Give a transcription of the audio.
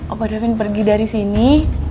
opa devin pergi dari sini